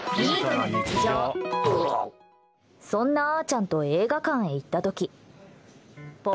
そんなあーちゃんと映画館へ行った時。